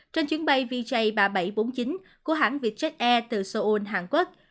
trên chuyến bay vj ba nghìn bảy trăm bốn mươi chín của hãng vietjet air từ seoul hàn quốc